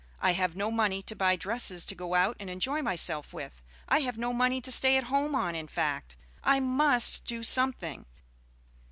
I have no money to buy dresses to go out and enjoy myself with. I have no money to stay at home on, in fact, I must do something.